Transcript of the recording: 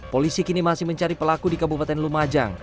polisi kini masih mencari pelaku di kabupaten lumajang